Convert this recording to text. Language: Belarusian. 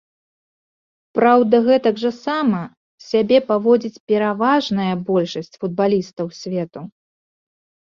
Праўда, гэтак жа сама сябе паводзіць пераважная большасць футбалістаў свету.